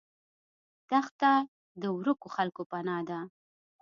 دښته د ورکو خلکو پناه ده.